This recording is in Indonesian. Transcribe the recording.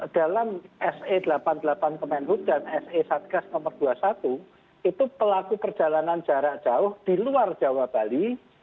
dalam se delapan puluh delapan kemenhub dan se satgas nomor dua puluh satu itu pelaku perjalanan jarak jauh di luar jawa bali